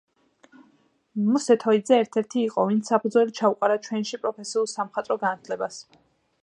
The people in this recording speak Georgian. მოსე თოიძე ერთ-ერთი იყო, ვინც საფუძველი ჩაუყარა ჩვენში პროფესიულ სამხატვრო განათლებას.